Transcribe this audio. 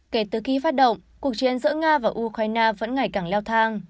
kể từ khi phát động cuộc chiến giữa nga và ukraine vẫn ngày càng leo thang